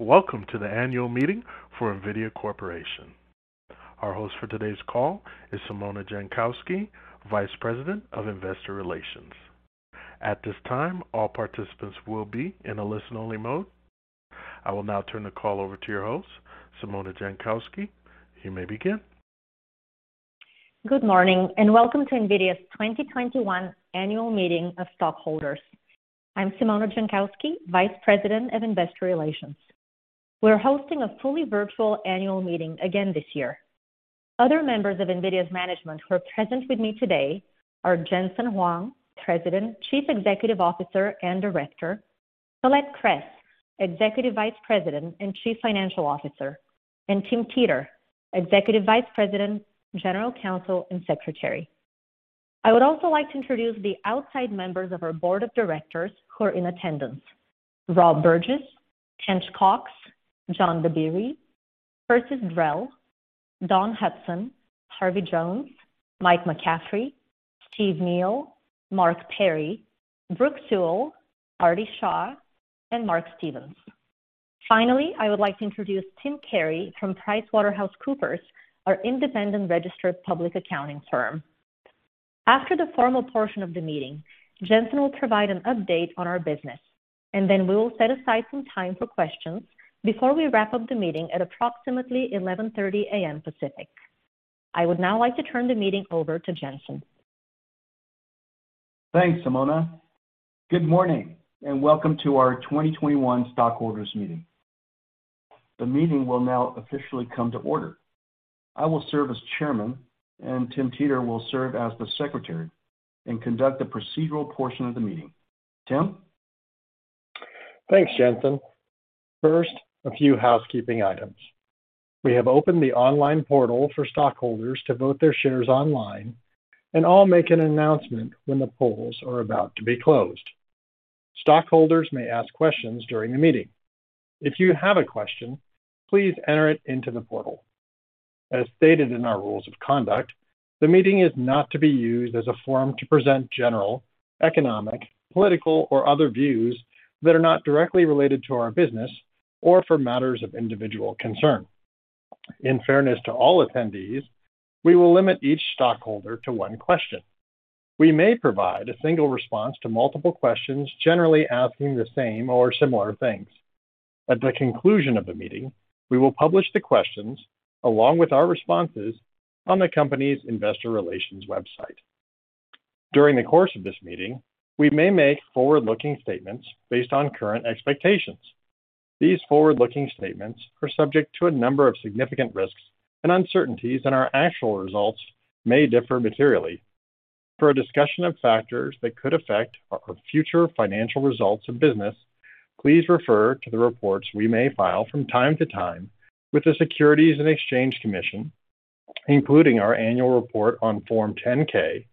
Welcome to the Annual Meeting for NVIDIA Corporation. Our host for today's call is Simona Jankowski, Vice President of Investor Relations. At this time, all participants will be in a listen-only mode. I will now turn the call over to your host, Simona Jankowski. You may begin. Good morning, and welcome to NVIDIA's 2021 Annual Meeting of Stockholders. I'm Simona Jankowski, Vice President of Investor Relations. We're hosting a fully virtual Annual Meeting again this year. Other members of NVIDIA's management who are present with me today are Jensen Huang, President, Chief Executive Officer, and Director, Colette Kress, Executive Vice President and Chief Financial Officer, and Tim Teter, Executive Vice President, General Counsel, and Secretary. I would also like to introduce the outside members of our Board of Directors who are in attendance. Rob Burgess, Tench Coxe, John Dabiri, Persis Drell, Dawn Hudson, Harvey Jones, Mike McCaffery, Steve Neal, Mark Perry, Brooke Seawell, Aarti Shah, and Mark Stevens. Finally, I would like to introduce Tim Carey from PricewaterhouseCoopers, our independent registered public accounting firm. After the formal portion of the meeting, Jensen will provide an update on our business, and then we will set aside some time for questions before we wrap up the meeting at approximately 11:30 A.M. Pacific. I would now like to turn the meeting over to Jensen. Thanks, Simona. Good morning, and welcome to our 2021 stockholders meeting. The meeting will now officially come to order. I will serve as Chairman, and Tim Teter will serve as the Secretary and conduct the procedural portion of the meeting. Tim? Thanks, Jensen. First, a few housekeeping items. We have opened the online portal for stockholders to vote their shares online, and I'll make an announcement when the polls are about to be closed. Stockholders may ask questions during the meeting. If you have a question, please enter it into the portal. As stated in our rules of conduct, the meeting is not to be used as a forum to present general, economic, political, or other views that are not directly related to our business or for matters of individual concern. In fairness to all attendees, we will limit each stockholder to one question. We may provide a single response to multiple questions generally asking the same or similar things. At the conclusion of the meeting, we will publish the questions along with our responses on the company's investor relations website. During the course of this meeting, we may make forward-looking statements based on current expectations. These forward-looking statements are subject to a number of significant risks and uncertainties, and our actual results may differ materially. For a discussion of factors that could affect our future financial results or business, please refer to the reports we may file from time to time with the Securities and Exchange Commission, including our annual report on Form 10-K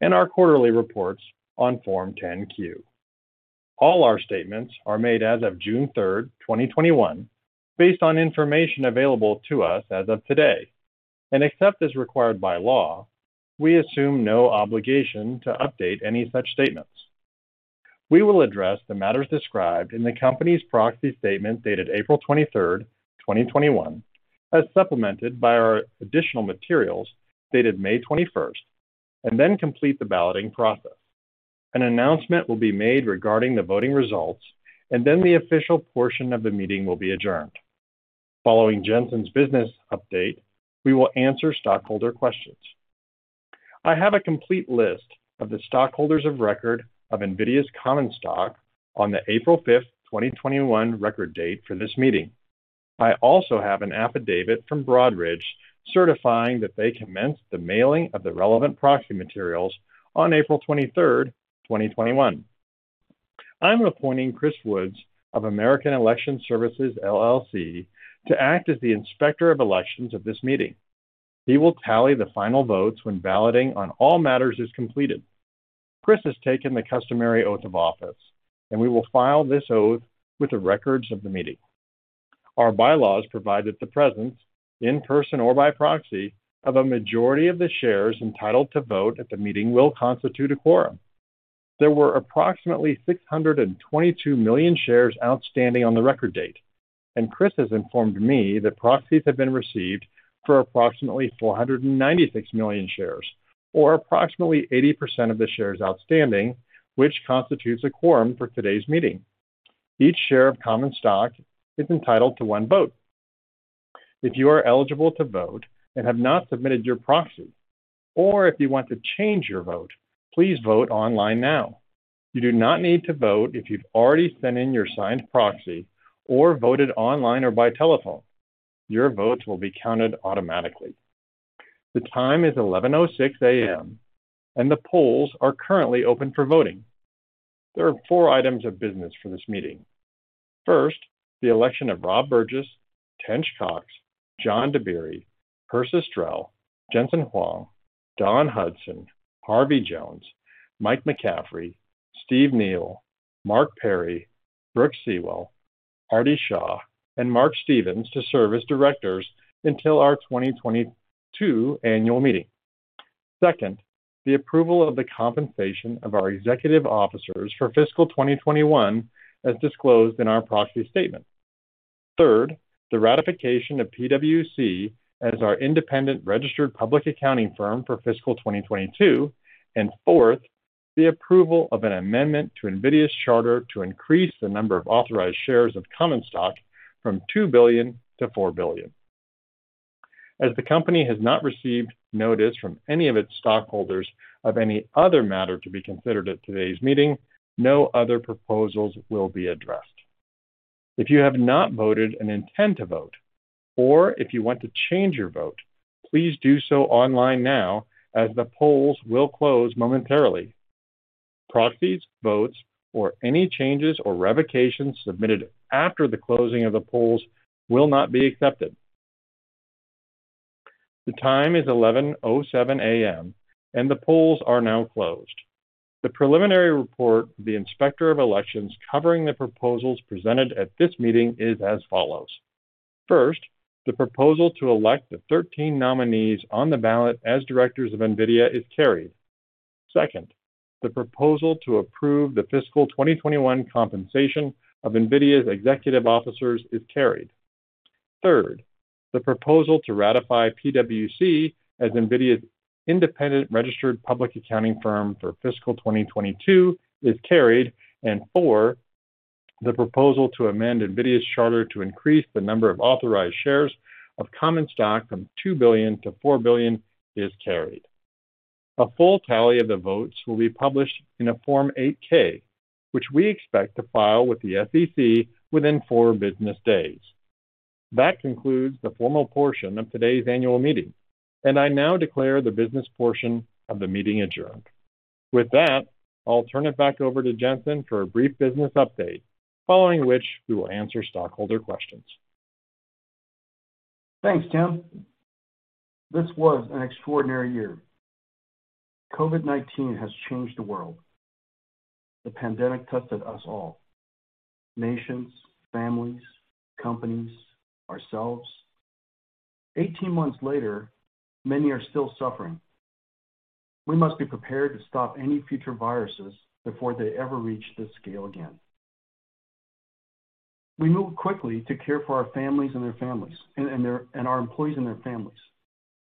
and our quarterly reports on Form 10-Q. All our statements are made as of June 3rd, 2021, based on information available to us as of today, and except as required by law, we assume no obligation to update any such statements. We will address the matters described in the company's proxy statement dated April 23rd, 2021, as supplemented by our additional materials dated May 21st, and then complete the balloting process. An announcement will be made regarding the voting results, and then the official portion of the meeting will be adjourned. Following Jensen's business update, we will answer stockholder questions. I have a complete list of the stockholders of record of NVIDIA's common stock on the April 5th, 2021, record date for this meeting. I also have an affidavit from Broadridge certifying that they commenced the mailing of the relevant proxy materials on April 23rd, 2021. I'm appointing Chris Woods of American Election Services, LLC to act as the Inspector of Elections at this meeting. He will tally the final votes when balloting on all matters is completed. Chris has taken the customary oath of office, and we will file this oath with the records of the meeting. Our bylaws provide that the presence, in person or by proxy, of a majority of the shares entitled to vote at the meeting will constitute a quorum. There were approximately 622 million shares outstanding on the record date, and Chris has informed me that proxies have been received for approximately 496 million shares, or approximately 80% of the shares outstanding, which constitutes a quorum for today's meeting. Each share of common stock is entitled to one vote. If you are eligible to vote and have not submitted your proxy, or if you want to change your vote, please vote online now. You do not need to vote if you've already sent in your signed proxy or voted online or by telephone. Your votes will be counted automatically. The time is 11:06 A.M., and the polls are currently open for voting. There are four items of business for this meeting. First, the election of Rob Burgess, Tench Coxe, John Dabiri, Persis Drell, Jensen Huang, Dawn Hudson, Harvey Jones, Mike McCaffery, Steve Neal, Mark Perry, Brooke Seawell, Aarti Shah, and Mark Stevens to serve as directors until our 2022 Annual Meeting. Second, the approval of the compensation of our executive officers for fiscal 2021 as disclosed in our proxy statement. Third, the ratification of PwC as our independent registered public accounting firm for fiscal 2022, and fourth, the approval of an amendment to NVIDIA's charter to increase the number of authorized shares of common stock from 2 billion to 4 billion. As the company has not received notice from any of its stockholders of any other matter to be considered at today's meeting, no other proposals will be addressed. If you have not voted and intend to vote, or if you want to change your vote, please do so online now, as the polls will close momentarily. Proxies, votes, or any changes or revocations submitted after the closing of the polls will not be accepted. The time is 11:07 A.M., and the polls are now closed. The preliminary report of the Inspector of Elections covering the proposals presented at this meeting is as follows. First, the proposal to elect the 13 nominees on the ballot as directors of NVIDIA is carried. Second, the proposal to approve the fiscal 2021 compensation of NVIDIA's executive officers is carried. Third, the proposal to ratify PwC as NVIDIA's independent registered public accounting firm for fiscal 2022 is carried. Fourth, the proposal to amend NVIDIA's charter to increase the number of authorized shares of common stock from 2 billion to 4 billion is carried. A full tally of the votes will be published in a Form 8-K, which we expect to file with the SEC within four business days. That concludes the formal portion of today's Annual Meeting, and I now declare the business portion of the meeting adjourned. With that, I'll turn it back over to Jensen for a brief business update, following which we will answer stockholder questions. Thanks, Tim. This was an extraordinary year. COVID-19 has changed the world. The pandemic tested us all, nations, families, companies, ourselves. 18 months later, many are still suffering. We must be prepared to stop any future viruses before they ever reach this scale again. We moved quickly to care for our families and their families, and our employees and their families.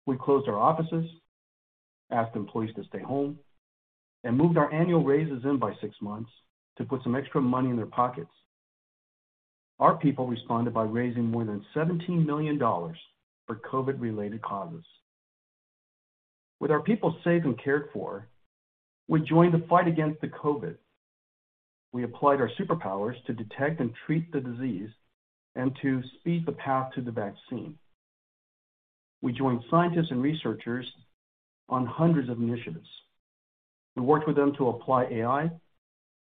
We closed our offices, asked employees to stay home, and moved our annual raises in by six months to put some extra money in their pockets. Our people responded by raising more than $17 million for COVID-related causes. With our people safe and cared for, we joined the fight against the COVID. We applied our superpowers to detect and treat the disease and to speed the path to the vaccine. We joined scientists and researchers on hundreds of initiatives. We worked with them to apply AI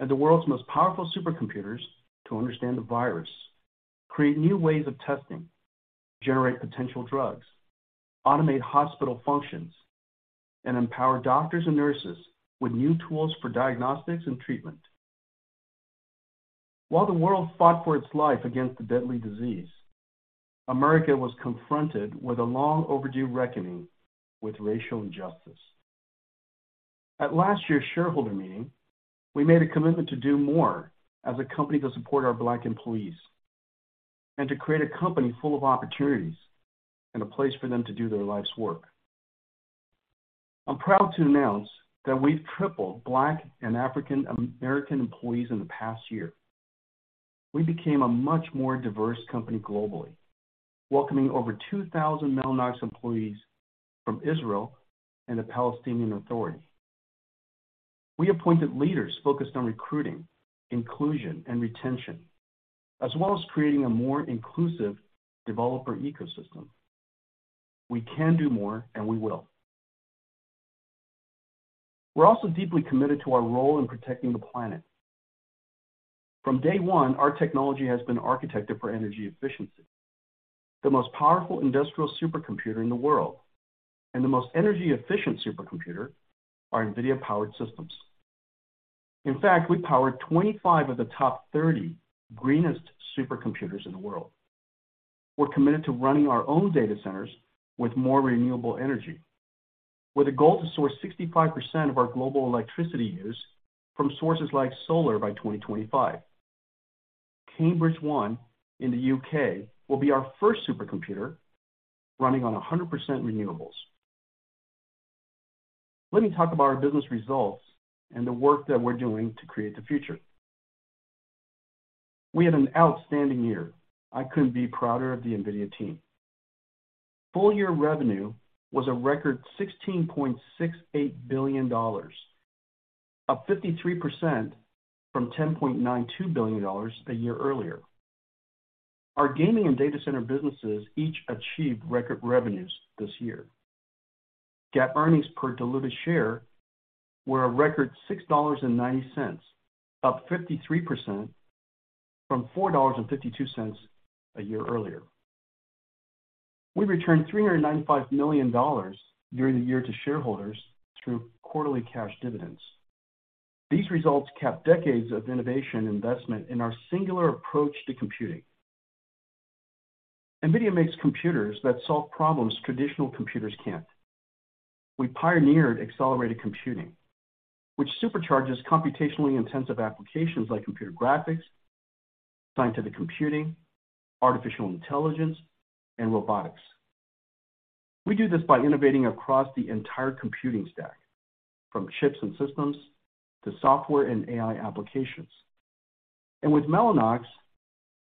and the world's most powerful supercomputers to understand the virus, create new ways of testing, generate potential drugs, automate hospital functions, and empower doctors and nurses with new tools for diagnostics and treatment. While the world fought for its life against the deadly disease, America was confronted with a long-overdue reckoning with racial injustice. At last year's shareholder meeting, we made a commitment to do more as a company to support our Black employees and to create a company full of opportunities and a place for them to do their life's work. I'm proud to announce that we've tripled Black and African American employees in the past year. We became a much more diverse company globally, welcoming over 2,000 Mellanox employees from Israel and the Palestinian Authority. We appointed leaders focused on recruiting, inclusion, and retention, as well as creating a more inclusive developer ecosystem. We can do more, and we will. We're also deeply committed to our role in protecting the planet. From day one, our technology has been architected for energy efficiency. The most powerful industrial supercomputer in the world and the most energy-efficient supercomputer are NVIDIA-powered systems. In fact, we power 25 of the top 30 greenest supercomputers in the world. We're committed to running our own data centers with more renewable energy, with a goal to source 65% of our global electricity use from sources like solar by 2025. Cambridge-1 in the U.K. will be our first supercomputer running on 100% renewables. Let me talk about our business results and the work that we're doing to create the future. We had an outstanding year. I couldn't be prouder of the NVIDIA team. Full-year revenue was a record $16.68 billion, up 53% from $10.92 billion a year earlier. Our gaming and data center businesses each achieved record revenues this year. GAAP earnings per diluted share were a record $6.90, up 53% from $4.52 a year earlier. We returned $395 million year to year to shareholders through quarterly cash dividends. These results cap decades of innovation investment in our singular approach to computing. NVIDIA makes computers that solve problems traditional computers can't. We pioneered accelerated computing, which supercharges computationally intensive applications like computer graphics, scientific computing, artificial intelligence, and robotics. We do this by innovating across the entire computing stack, from chips and systems to software and AI applications. With Mellanox,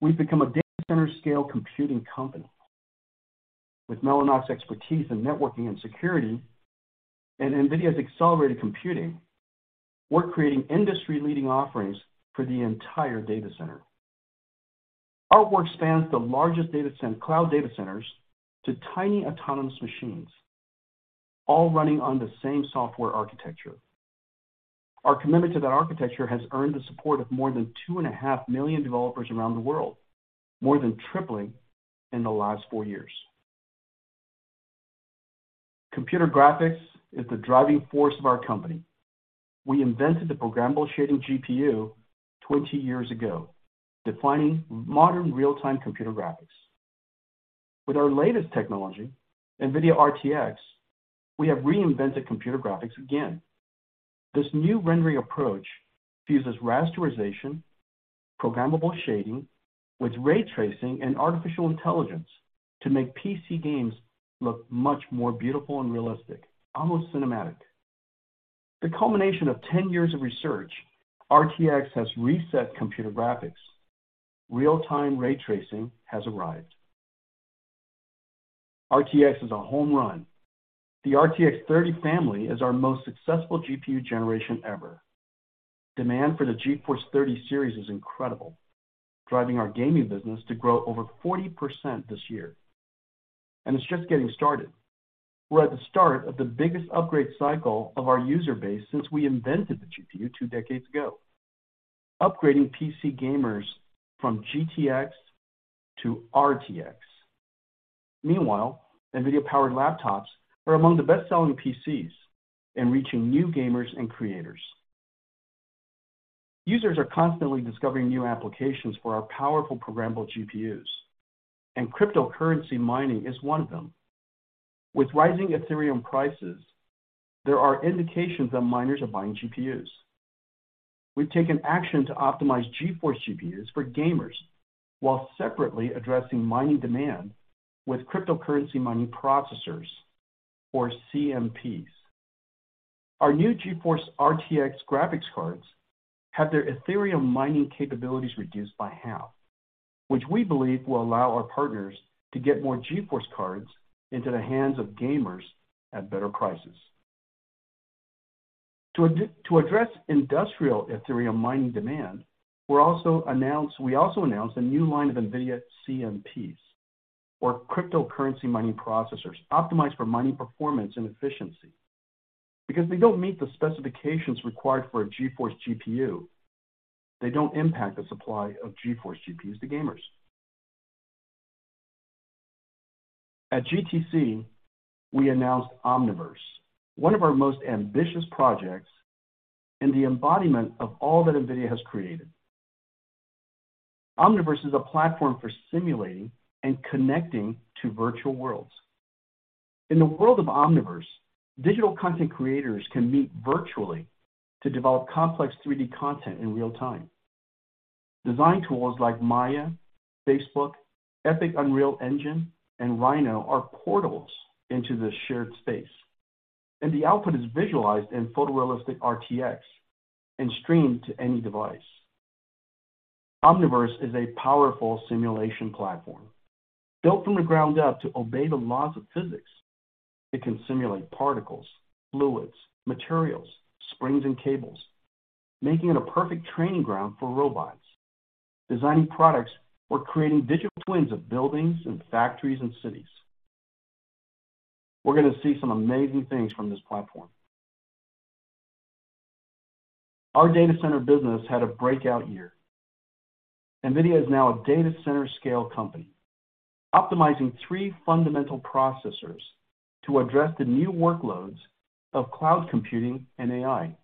we've become a data center scale computing company. With Mellanox expertise in networking and security, and NVIDIA's accelerated computing, we're creating industry-leading offerings for the entire data center. Our work spans the largest data center cloud data centers to tiny autonomous machines, all running on the same software architecture. Our commitment to that architecture has earned the support of more than 2.5 million developers around the world, more than tripling in the last four years. Computer graphics is the driving force of our company. We invented the programmable shading GPU 20 years ago, defining modern real-time computer graphics. With our latest technology, NVIDIA RTX, we have reinvented computer graphics again. This new rendering approach fuses rasterization, programmable shading, with ray tracing and artificial intelligence to make PC games look much more beautiful and realistic, almost cinematic. The culmination of 10 years of research, RTX has reset computer graphics. Real-time ray tracing has arrived. RTX is a home run. The RTX 30 family is our most successful GPU generation ever. Demand for the GeForce 30 series is incredible, driving our gaming business to grow over 40% this year, and it's just getting started. We're at the start of the biggest upgrade cycle of our user base since we invented the GPU two decades ago, upgrading PC gamers from GTX to RTX. Meanwhile, NVIDIA-powered laptops are among the best-selling PCs and reaching new gamers and creators. Users are constantly discovering new applications for our powerful programmable GPUs, and cryptocurrency mining is one of them. With rising Ethereum prices, there are indications that miners are buying GPUs. We've taken action to optimize GeForce GPUs for gamers while separately addressing mining demand with cryptocurrency mining processors, or CMPs. Our new GeForce RTX graphics cards have their Ethereum mining capabilities reduced by half, which we believe will allow our partners to get more GeForce cards into the hands of gamers at better prices. To address industrial Ethereum mining demand, we also announced a new line of NVIDIA CMPs, or cryptocurrency mining processors, optimized for mining performance and efficiency. Because they don't meet the specifications required for a GeForce GPU, they don't impact the supply of GeForce GPUs to gamers. At GTC, we announced Omniverse, one of our most ambitious projects and the embodiment of all that NVIDIA has created. Omniverse is a platform for simulating and connecting to virtual worlds. In the world of Omniverse, digital content creators can meet virtually to develop complex 3D content in real time. Design tools like Maya, Facebook, Epic Unreal Engine, and Rhino are portals into this shared space, and the output is visualized in photorealistic RTX and streamed to any device. Omniverse is a powerful simulation platform, built from the ground up to obey the laws of physics. It can simulate particles, fluids, materials, springs, and cables, making it a perfect training ground for robots, designing products, or creating digital twins of buildings, and factories, and cities. We're going to see some amazing things from this platform. Our data center business had a breakout year. NVIDIA is now a data center scale company, optimizing three fundamental processors to address the new workloads of cloud computing and AI.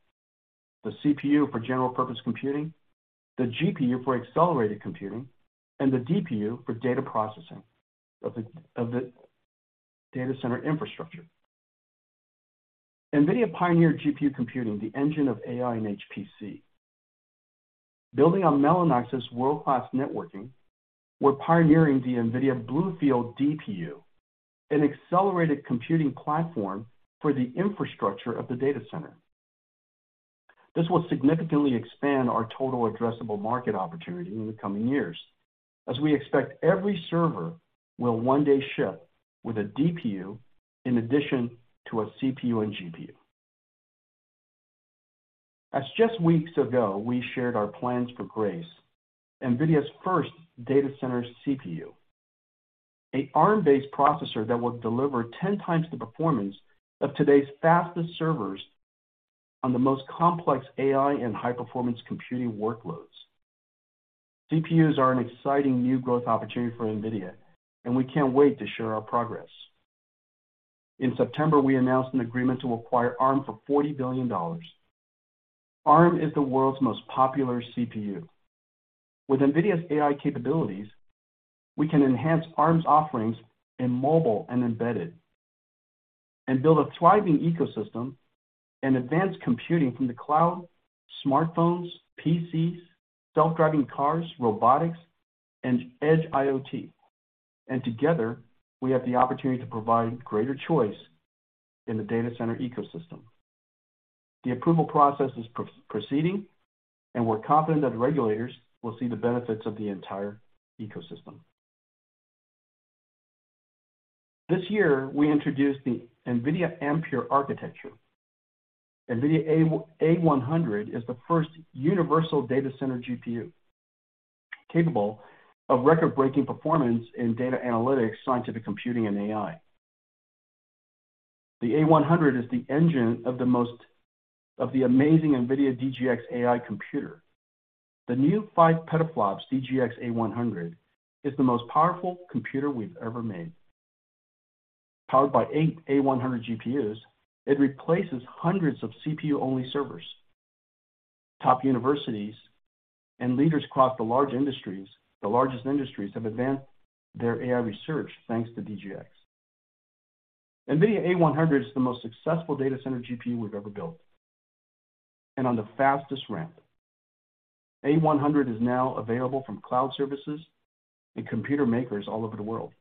The CPU for general purpose computing, the GPU for accelerated computing, and the DPU for data processing of the data center infrastructure. NVIDIA pioneered GPU computing, the engine of AI and HPC. Building on Mellanox's world-class networking, we're pioneering the NVIDIA BlueField DPU, an accelerated computing platform for the infrastructure of the data center. This will significantly expand our total addressable market opportunity in the coming years, as we expect every server will one day ship with a DPU in addition to a CPU and GPU. Just weeks ago, we shared our plans for Grace, NVIDIA's first data center CPU, an Arm-based processor that will deliver 10x the performance of today's fastest servers on the most complex AI and high-performance computing workloads. CPUs are an exciting new growth opportunity for NVIDIA, and we can't wait to share our progress. In September, we announced an agreement to acquire Arm for $40 billion. Arm is the world's most popular CPU. With NVIDIA's AI capabilities, we can enhance Arm's offerings in mobile and embedded and build a thriving ecosystem in advanced computing from the cloud, smartphones, PCs, self-driving cars, robotics, and edge IoT. Together, we have the opportunity to provide greater choice in the data center ecosystem. The approval process is proceeding, and we're confident that regulators will see the benefits of the entire ecosystem. This year, we introduced the NVIDIA Ampere architecture. NVIDIA A100 is the first universal data center GPU, capable of record-breaking performance in data analytics, scientific computing, and AI. The A100 is the engine of the amazing NVIDIA DGX AI computer. The new five petaflops DGX A100 is the most powerful computer we've ever made. Powered by eight A100 GPUs, it replaces hundreds of CPU-only servers. Top universities and leaders across the largest industries have advanced their AI research thanks to DGX. NVIDIA A100 is the most successful data center GPU we've ever built and on the fastest ramp. A100 is now available from cloud services and computer makers all over the world.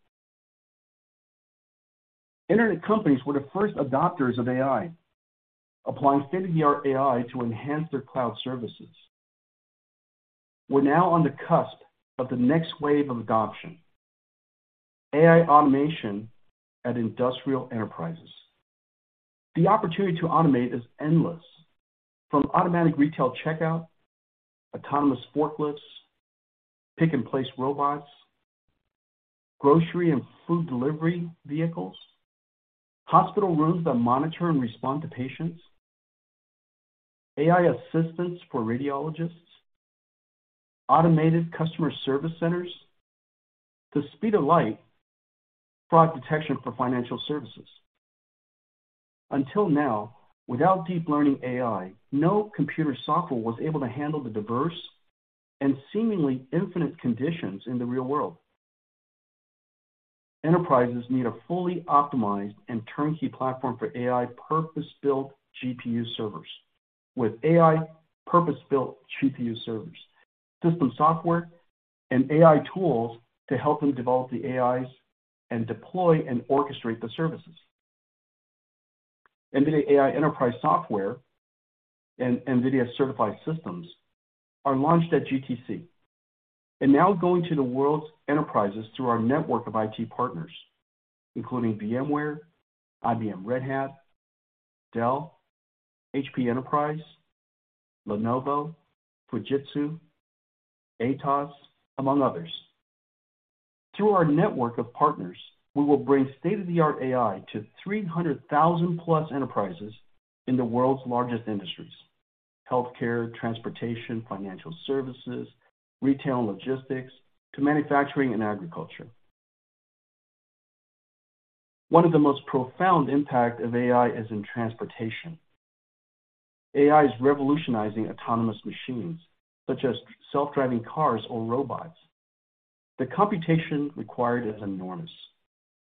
Internet companies were the first adopters of AI, applying state-of-the-art AI to enhance their cloud services. We're now on the cusp of the next wave of adoption, AI automation at industrial enterprises. The opportunity to automate is endless. From automatic retail checkout, autonomous forklifts, pick-and-place robots, grocery and food delivery vehicles, hospital rooms that monitor and respond to patients, AI assistants for radiologists, automated customer service centers, to speed-of-light fraud detection for financial services. Until now, without deep learning AI, no computer software was able to handle the diverse and seemingly infinite conditions in the real world. Enterprises need a fully optimized and turnkey platform for AI purpose-built GPU servers with AI purpose-built GPU servers, system software, and AI tools to help them develop the AIs and deploy and orchestrate the services. NVIDIA AI Enterprise software and NVIDIA-certified systems are launched at GTC and now going to the world's enterprises through our network of IT partners, including VMware, IBM Red Hat, Dell, HP Enterprise, Lenovo, Fujitsu, Atos, among others. Through our network of partners, we will bring state-of-the-art AI to 300,000+ enterprises in the world's largest industries, healthcare, transportation, financial services, retail and logistics, to manufacturing and agriculture. One of the most profound impact of AI is in transportation. AI is revolutionizing autonomous machines, such as self-driving cars or robots. The computation required is enormous.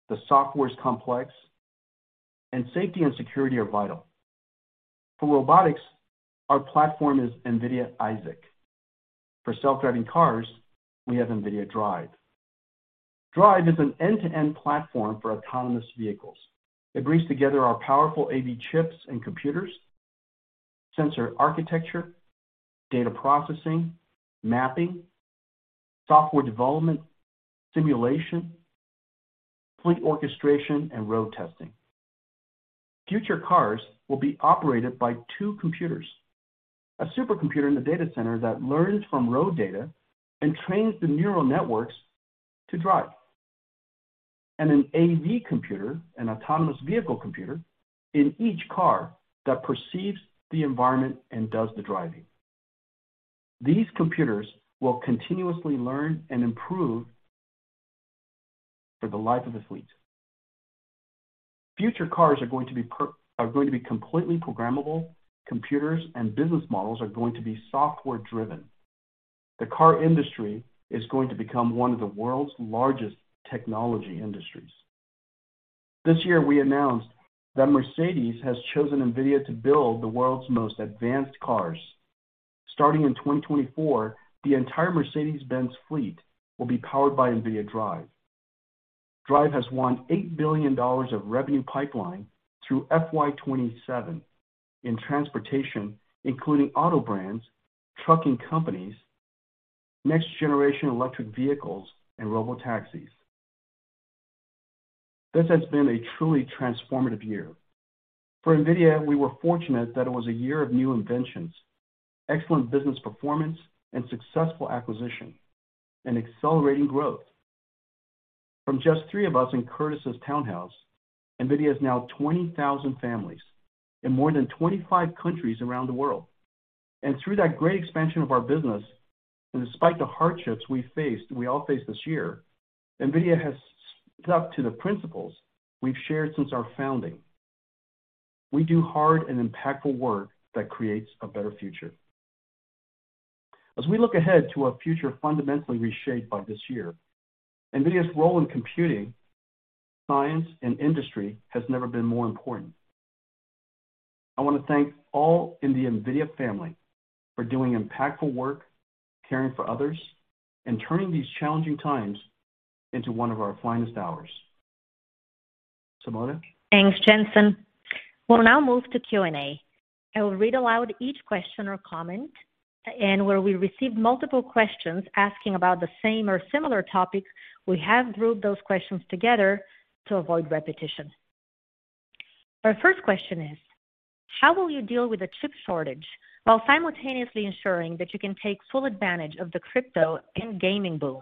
The software is complex, and safety and security are vital. For robotics, our platform is NVIDIA Isaac. For self-driving cars, we have NVIDIA DRIVE. DRIVE is an end-to-end platform for autonomous vehicles. It brings together our powerful AV chips and computers, sensor architecture, data processing, mapping, software development, simulation, fleet orchestration, and road testing. Future cars will be operated by two computers: a supercomputer in the data center that learns from road data and trains the neural networks to drive, and an AV computer, an autonomous vehicle computer, in each car that perceives the environment and does the driving. These computers will continuously learn and improve for the life of the fleet. Future cars are going to be completely programmable. Computers and business models are going to be software driven. The car industry is going to become one of the world's largest technology industries. This year, we announced that Mercedes has chosen NVIDIA to build the world's most advanced cars. Starting in 2024, the entire Mercedes-Benz fleet will be powered by NVIDIA DRIVE. DRIVE has won $8 billion of revenue pipeline through FY 2027 in transportation, including auto brands, trucking companies, next-generation electric vehicles, and robotaxis. This has been a truly transformative year. For NVIDIA, we were fortunate that it was a year of new inventions, excellent business performance, and successful acquisition, and accelerating growth. From just three of us in Curtis's townhouse, NVIDIA is now 20,000 families in more than 25 countries around the world, and through that great expansion of our business, and despite the hardships we faced, and we all faced this year, NVIDIA has stuck to the principles we've shared since our founding. We do hard and impactful work that creates a better future. As we look ahead to a future fundamentally reshaped by this year, NVIDIA's role in computing, science, and industry has never been more important. I want to thank all in the NVIDIA family for doing impactful work, caring for others, and turning these challenging times into one of our finest hours. Simona? Thanks, Jensen. We'll now move to Q&A. I will read aloud each question or comment, and where we receive multiple questions asking about the same or similar topics, we have grouped those questions together to avoid repetition. Our first question is: how will you deal with the chip shortage while simultaneously ensuring that you can take full advantage of the crypto and gaming boom?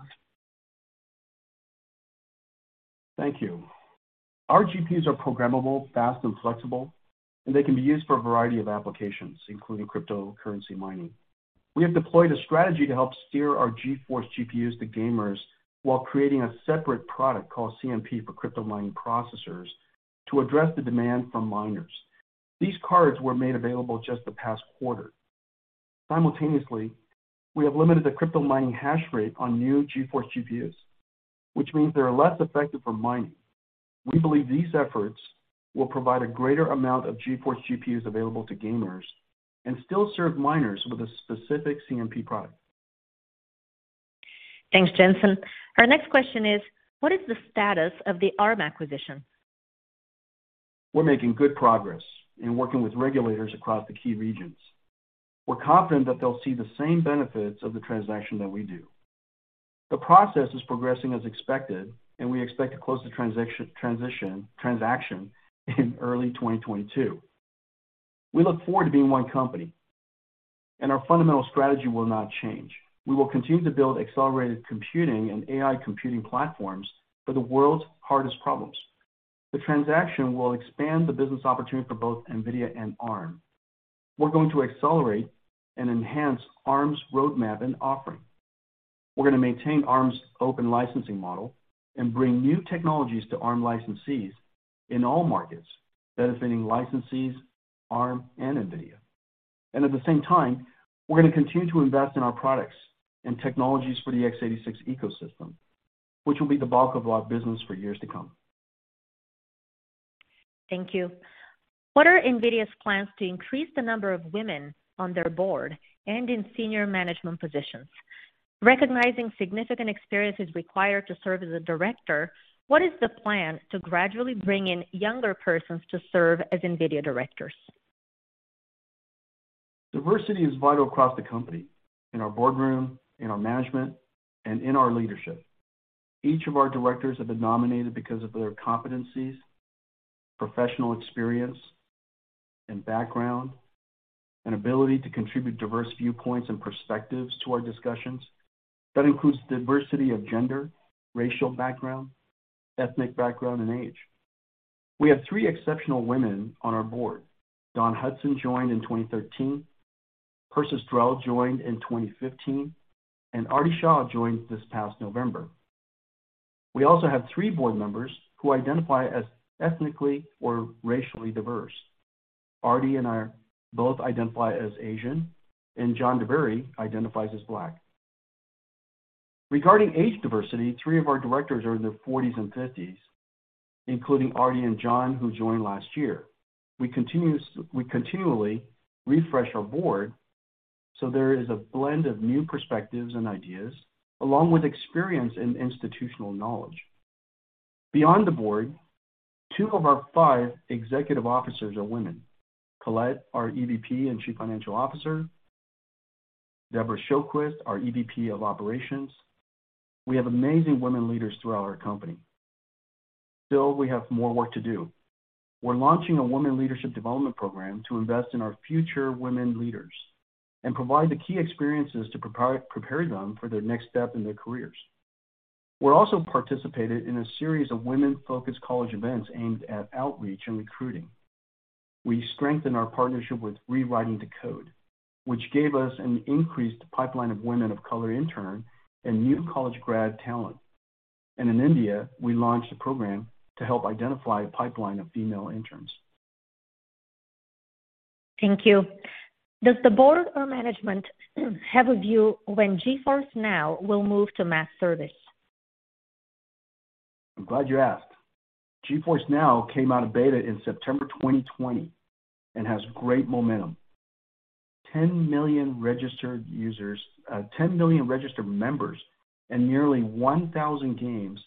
Thank you. Our GPUs are programmable, fast, and flexible, and they can be used for a variety of applications, including cryptocurrency mining. We have deployed a strategy to help steer our GeForce GPUs to gamers while creating a separate product called CMP, for cryptocurrency mining processors, to address the demand from miners. These cards were made available just the past quarter. Simultaneously, we have limited the crypto mining hash rate on new GeForce GPUs, which means they are less effective for mining. We believe these efforts will provide a greater amount of GeForce GPUs available to gamers and still serve miners with a specific CMP product. Thanks, Jensen. Our next question is: what is the status of the Arm acquisition? We're making good progress in working with regulators across the key regions. We're confident that they'll see the same benefits of the transaction that we do. The process is progressing as expected, and we expect to close the transaction in early 2022. We look forward to being one company, and our fundamental strategy will not change. We will continue to build accelerated computing and AI computing platforms for the world's hardest problems. The transaction will expand the business opportunity for both NVIDIA and Arm. We're going to accelerate and enhance Arm's roadmap and offering. We're going to maintain Arm's open licensing model and bring new technologies to Arm licensees in all markets, benefiting licensees, Arm, and NVIDIA. At the same time, we're going to continue to invest in our products and technologies for the x86 ecosystem, which will be the bulk of our business for years to come. Thank you. What are NVIDIA's plans to increase the number of women on their board and in senior management positions? Recognizing significant experience is required to serve as a director, what is the plan to gradually bring in younger persons to serve as NVIDIA directors? Diversity is vital across the company, in our boardroom, in our management, and in our leadership. Each of our directors have been nominated because of their competencies, professional experience and background, and ability to contribute diverse viewpoints and perspectives to our discussions. That includes diversity of gender, racial background, ethnic background, and age. We have three exceptional women on our board. Dawn Hudson joined in 2013, Persis Drell joined in 2015, and Aarti Shah joined this past November. We also have three board members who identify as ethnically or racially diverse. Aarti and I both identify as Asian, and John Dabiri identifies as Black. Regarding age diversity, three of our directors are in their 40s and 50s, including Aarti and John, who joined last year. We continually refresh our board, so there is a blend of new perspectives and ideas, along with experience and institutional knowledge. Beyond the board, two of our five executive officers are women. Colette, our EVP and Chief Financial Officer, Debora Shoquist, our EVP of Operations. We have amazing women leaders throughout our company. Still, we have more work to do. We're launching a women leadership development program to invest in our future women leaders and provide the key experiences to prepare them for their next step in their careers. We also participated in a series of women-focused college events aimed at outreach and recruiting. We strengthened our partnership with Rewriting the Code, which gave us an increased pipeline of women of color intern and new college grad talent. In India, we launched a program to help identify a pipeline of female interns. Thank you. Does the board or management have a view when GeForce NOW will move to mass service? I'm glad you asked. GeForce NOW came out of beta in September 2020 and has great momentum. 10 million registered members and nearly 1,000 games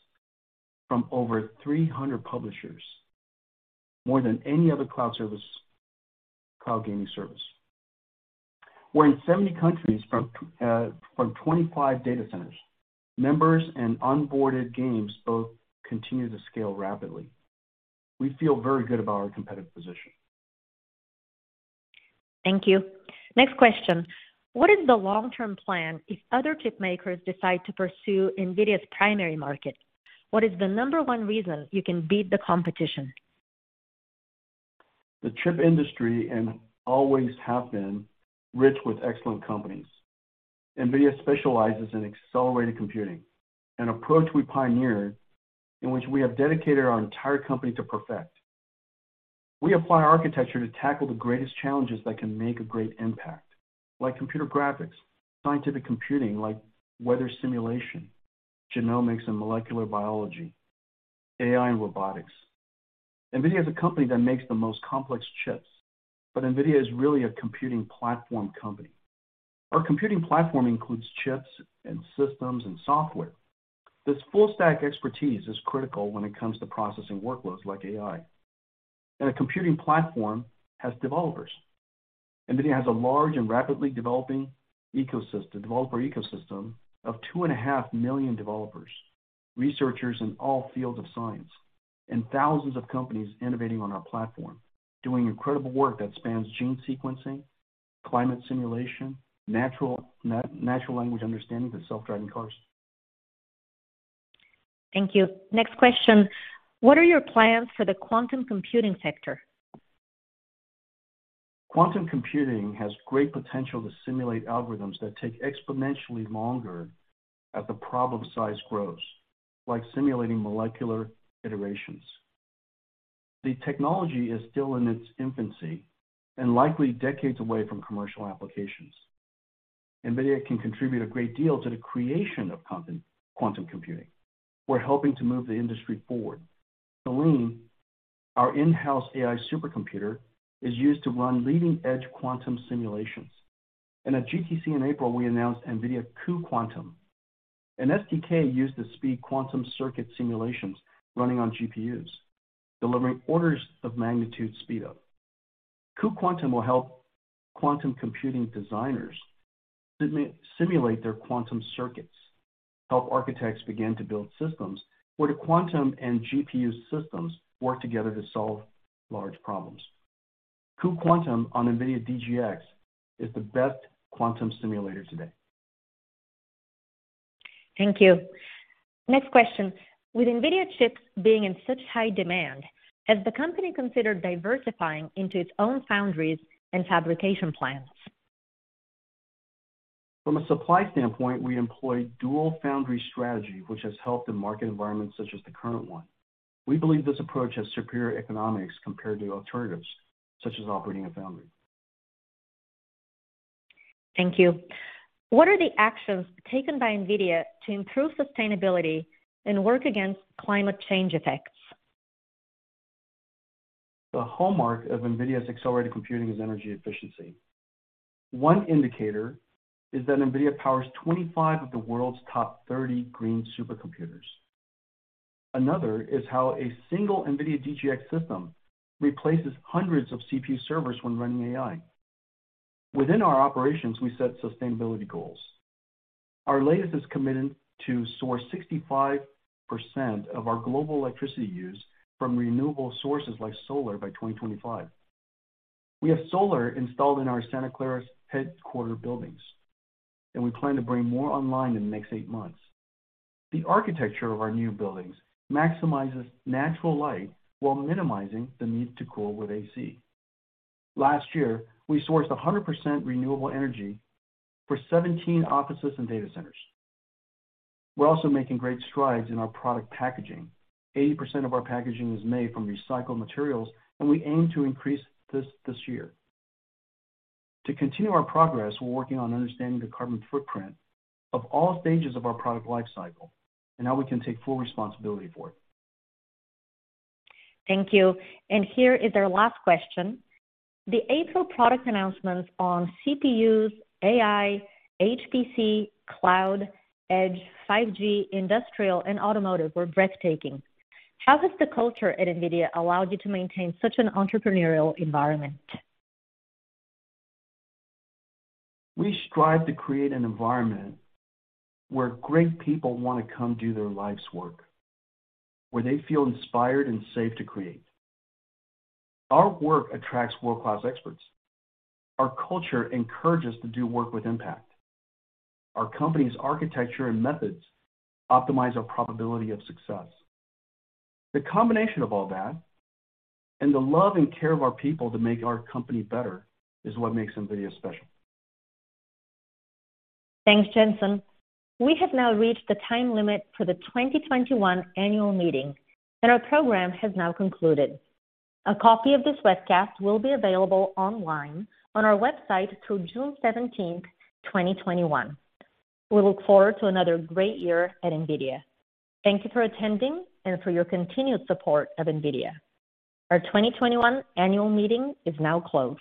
from over 300 publishers. More than any other cloud gaming service. We're in 70 countries from 25 data centers. Members and onboarded games both continue to scale rapidly. We feel very good about our competitive position. Thank you. Next question. What is the long-term plan if other chip makers decide to pursue NVIDIA's primary market? What is the number one reason you can beat the competition? The chip industry and always have been rich with excellent companies. NVIDIA specializes in accelerated computing, an approach we pioneered in which we have dedicated our entire company to perfect. We apply architecture to tackle the greatest challenges that can make a great impact, like computer graphics, scientific computing, like weather simulation, genomics in molecular biology, AI, and robotics. NVIDIA is a company that makes the most complex chips, but NVIDIA is really a computing platform company. Our computing platform includes chips and systems and software. This full stack expertise is critical when it comes to processing workloads like AI. A computing platform has developers. NVIDIA has a large and rapidly developing developer ecosystem of 2.5 million developers, researchers in all fields of science, and thousands of companies innovating on our platform, doing incredible work that spans gene sequencing, climate simulation, natural language understanding, and self-driving cars. Thank you. Next question. What are your plans for the quantum computing sector? Quantum computing has great potential to simulate algorithms that take exponentially longer as the problem size grows, like simulating molecular iterations. The technology is still in its infancy and likely decades away from commercial applications. NVIDIA can contribute a great deal to the creation of quantum computing. We're helping to move the industry forward. Selene, our in-house AI supercomputer, is used to run leading-edge quantum simulations. At GTC in April, we announced NVIDIA cuQuantum, an SDK used to speed quantum circuit simulations running on GPUs, delivering orders of magnitude speed up. cuQuantum will help quantum computing designers simulate their quantum circuits, help architects begin to build systems where quantum and GPU systems work together to solve large problems. cuQuantum on NVIDIA DGX is the best quantum simulator today. Thank you. Next question. With NVIDIA chips being in such high demand, has the company considered diversifying into its own foundries and fabrication plants? From a supply standpoint, we employ dual-foundry strategy, which has helped in market environments such as the current one. We believe this approach has superior economics compared to alternatives, such as operating a foundry. Thank you. What are the actions taken by NVIDIA to improve sustainability and work against climate change effects? The hallmark of NVIDIA's accelerated computing is energy efficiency. One indicator is that NVIDIA powers 25 of the world's top 30 green supercomputers. Another is how a single NVIDIA DGX system replaces hundreds of CPU servers when running AI. Within our operations, we set sustainability goals. Our latest is commitment to source 65% of our global electricity use from renewable sources like solar by 2025. We have solar installed in our Santa Clara's headquarter buildings, and we plan to bring more online in the next eight months. The architecture of our new buildings maximizes natural light while minimizing the need to cool with AC. Last year, we sourced 100% renewable energy for 17 offices and data centers. We're also making great strides in our product packaging. 80% of our packaging is made from recycled materials, and we aim to increase this this year. To continue our progress, we're working on understanding the carbon footprint of all stages of our product life cycle and how we can take full responsibility for it. Thank you. Here is our last question. The April product announcements on CPUs, AI, HPC, cloud, edge, 5G, industrial, and automotive were breathtaking. How has the culture at NVIDIA allowed you to maintain such an entrepreneurial environment? We strive to create an environment where great people want to come do their life's work, where they feel inspired and safe to create. Our work attracts world-class experts. Our culture encourages to do work with impact. Our company's architecture and methods optimize our probability of success. The combination of all that and the love and care of our people to make our company better is what makes NVIDIA special. Thanks, Jensen. We have now reached the time limit for the 2021 Annual Meeting, and our program has now concluded. A copy of this webcast will be available online on our website through June 17th, 2021. We look forward to another great year at NVIDIA. Thank you for attending and for your continued support of NVIDIA. Our 2021 Annual Meeting is now closed.